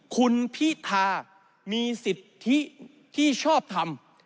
คุณพิธามีสิทธิที่ชอบทำ